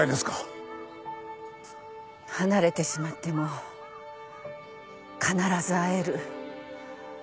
離れてしまっても必ず会える。